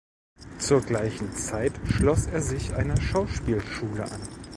Zur gleichen Zeit schloss er sich einer Schauspielschule an.